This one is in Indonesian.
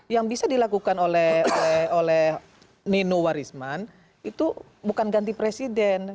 yang bisa dilakukan oleh nino warisman itu bukan ganti presiden